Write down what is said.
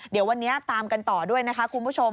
เดี๋ยววันนี้ตามกันต่อด้วยนะคะคุณผู้ชม